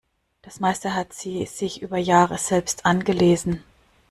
Das meiste hat sie sich über Jahre selbst angelesen.